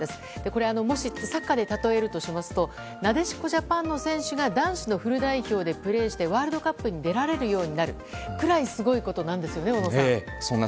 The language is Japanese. これをもしサッカーで例えるとしますとなでしこジャパンの選手が男子のフル代表でプレーして、ワールドカップに出られるようになるくらいすごいことなんですよね小野さん。